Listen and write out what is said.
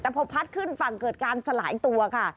แต่พอพัดขึ้นฝั่งเกิดการสลายตัวค่ะ